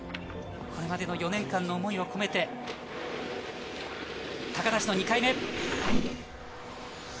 これまでの４年間の思いを込めて、高梨の２回目。